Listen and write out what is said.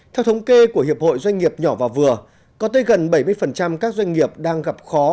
theo thống kê của hiệp hội doanh nghiệp nhỏ và vừa có tới gần bảy mươi các doanh nghiệp đang gặp khó